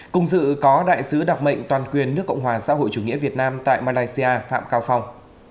cùng dự có đại sứ đặc mệnh toàn quyền nước cộng hòa xã hội chủ nghĩa việt nam tại malaysia phạm cao phong